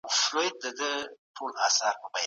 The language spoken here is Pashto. او ټولنیزو بنسټونو پاتي دي. د اساسي قانون احیا او